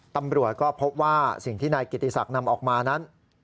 ตำรวจก็พบว่าสิ่งที่นายกิติศักดิ์นำออกมานั้น